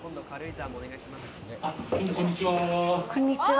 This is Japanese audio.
こんにちは。